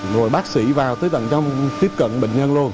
rồi bác sĩ vào tới tầng trong tiếp cận bệnh nhân luôn